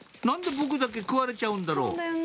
「何で僕だけ食われちゃうんだろ？」